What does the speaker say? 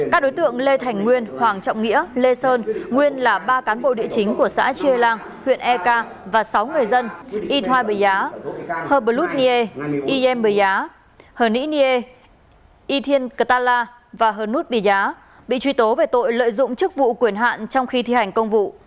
các đối tượng lê thành nguyên hoàng trọng nghĩa lê sơn nguyên là ba cán bộ địa chính của xã chia lăng huyện eka và sáu người dân y thoai bì giá hờ bờ lút nghê y em bì giá hờ nĩ nghê y thiên cật tà la và hờ nút bì giá bị truy tố về tội lợi dụng chức vụ quyền hạn trong khi thi hành công vụ